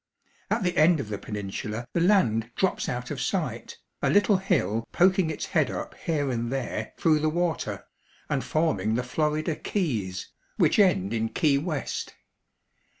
At the end of the peninsula the land drops out of sight, a little hill poking its head up here and there through the water, and forming the Florida Keys, which FLORIDA. 131 end in Key West.